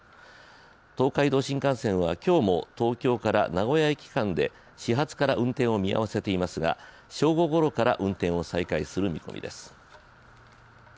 東海道新幹線は今日も東京から名古屋駅間で始発から運転を見合わせていますが正午ごろから運転を再開する見込みです。